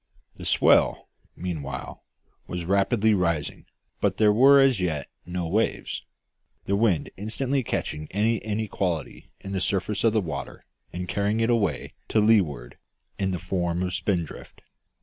The swell, meanwhile, was rapidly rising, but there were as yet no waves, the wind instantly catching any inequality in the surface of the water and carrying it away to leeward in the form of spindrift.